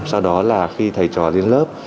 sau đó là khi thầy trò lên lớp